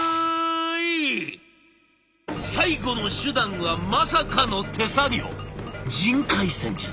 最後の手段はまさかの手作業人海戦術。